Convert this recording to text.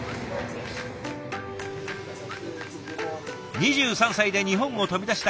２３歳で日本を飛び出した嘉山さん。